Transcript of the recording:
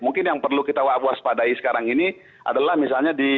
mungkin yang perlu kita waspadai sekarang ini adalah misalnya di